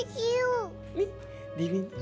jalan dulu emily